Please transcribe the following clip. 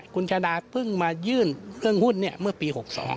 คุณชาดาเพิ่งมายื่นเครื่องหุ้นเมื่อปี๖๒